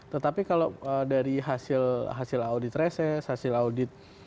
tetapi kalau dari hasil audit reses hasil audit